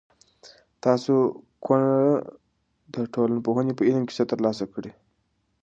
تاسو کونه د ټولنپوهنې په علم کې څه تر لاسه کړي؟